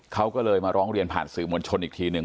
เขาก็เลยมาร้องเรียนผ่านสื่อมวลชนอีกทีหนึ่ง